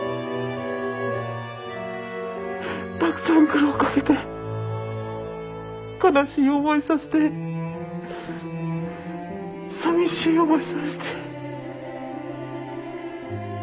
たくさん苦労かけて悲しい思いさせてさみしい思いさせて。